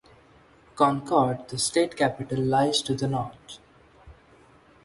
Concord, the state capital, lies to the north.